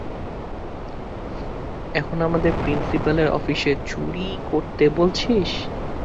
এখন আমাদের প্রিন্সিপালের অফিসে চুরি করতে বলছিস।